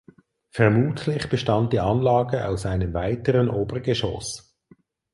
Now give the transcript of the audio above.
Vermutlich bestand die Anlage aus einem weiteren Obergeschoss.